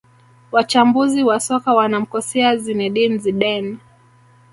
Wachambuzi wa soka wanamkosea Zinedine Zidane